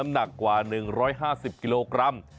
หนักกว่า๑๕๐กิโลกรัม